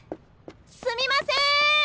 すみません！